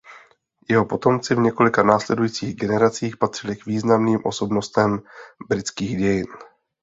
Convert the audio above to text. Jeho potomci v několika následujících generacích patřili k významným osobnostem britských dějin.